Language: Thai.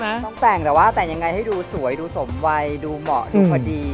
ต้องแต่งแต่ว่าแต่งยังไงให้ดูสวยดูสมวัยดูเหมาะดูพอดี